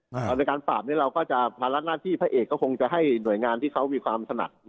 แล้วในการปราบเนี่ยเราก็จะพระรัตนาธิพะเอกก็คงจะให้หน่วยงานที่เขาจะมีความสนับ